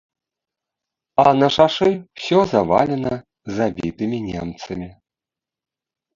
А на шашы ўсё завалена забітымі немцамі.